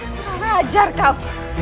kurang ajar kau